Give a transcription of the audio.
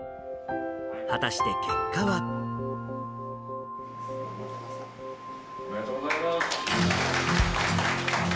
果たして結果は。おめでとうございます。